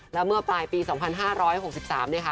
แล้วเมื่อปลายปี๒๕๖๓เนี่ยค่ะ